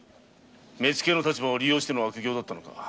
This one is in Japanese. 目付の立場を利用しての悪行だったのか。